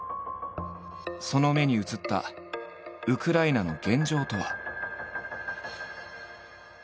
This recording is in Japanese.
その目に映ったウクライナの現状とは？